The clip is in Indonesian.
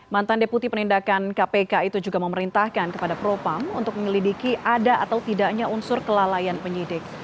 mantan deputi penindakan kpk itu juga memerintahkan kepada propam untuk menyelidiki ada atau tidaknya unsur kelalaian penyidik